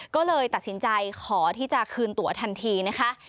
ก็เลยตัดสินใจขอที่จะคืนตัวทันทีนะคะ